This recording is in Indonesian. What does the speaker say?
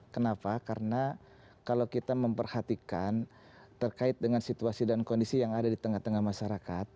kenapa karena kalau kita memperhatikan terkait dengan situasi dan kondisi yang ada di tengah tengah masyarakat